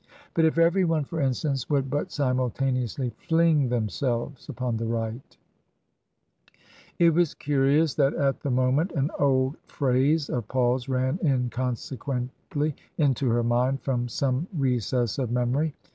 But if everyone, for instance, would but simultaneously fling themselves upon the right ! It was curious that at the moment an old phrase of Paul's ran inconsequently into her mind from some re cess of memory.